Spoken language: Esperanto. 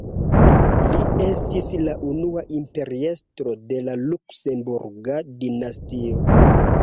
Li estis la unua imperiestro de la Luksemburga dinastio.